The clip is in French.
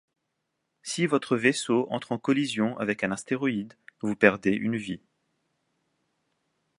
Si votre vaisseau entre en collision avec un astéroïde, vous perdez une vie.